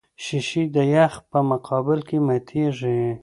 شیشې د یخ په مقابل کې ماتېږي.